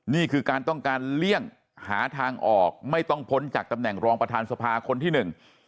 นี่คือการต้องการเลี่ยงหาทางออกไม่ต้องพ้นจากตำแหน่งรองประธานสภาคนที่หนึ่ง